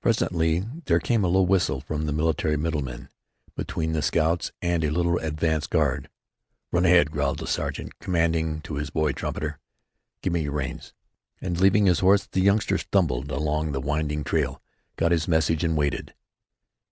Presently there came a low whistle from the military "middleman" between the scouts and a little advance guard. "Run ahead," growled the sergeant commanding to his boy trumpeter. "Give me your reins." And, leaving his horse, the youngster stumbled along up the winding trail; got his message and waited.